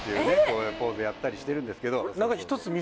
こういうポーズやったりしてるんですけど。